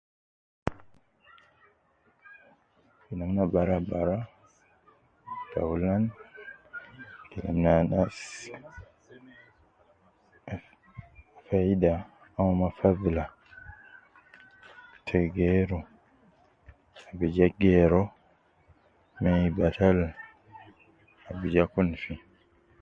Namna bara bara, taulan, ne anas faida au ma fadhla te geeru bi ja geeru uwo me batal bi ja kun fi